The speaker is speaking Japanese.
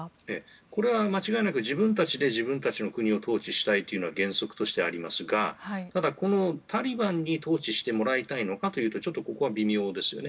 これは、間違いなく自分たちで自分たちの国を統治したいというのは原則としてありますがただ、今後タリバンに統治してもらいたいかというとちょっとここは微妙ですよね。